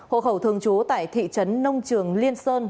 hộ khẩu thường trú tại thị trấn nông trường liên sơn